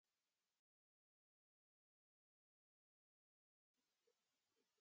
Así aparece en los documentos más antiguos del concejo